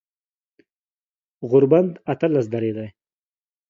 غوربند اتلس درې دی